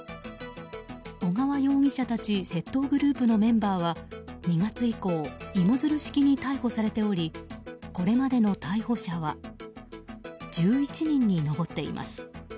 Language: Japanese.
小川容疑者たち窃盗グループのメンバーは２月以降芋づる式に逮捕されておりこれまでの逮捕者は１１人に上っています。